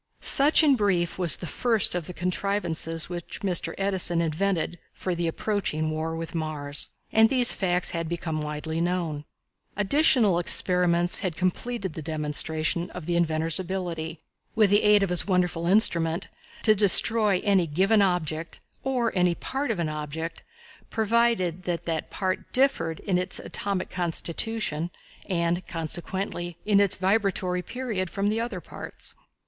Such in brief was the first of the contrivances which Mr. Edison invented for the approaching war with Mars. And these facts had become widely known. Additional experiments had completed the demonstration of the inventor's ability, with the aid of his wonderful instrument, to destroy any given object, or any part of an object, provided that that part differed in its atomic constitution, and consequently in its vibratory period, from the other parts.